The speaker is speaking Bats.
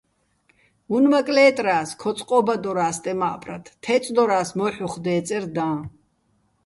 უ̂ნმაკ ლე́ტრა́ს, ქო წყო́ბადორა́ს სტემა́ჸფრათ, თე́წდორა́ს მოჰ̦ უ̂ხ დე́წერ დაჼ.